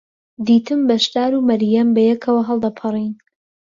دیتم بەشدار و مەریەم بەیەکەوە هەڵدەپەڕین.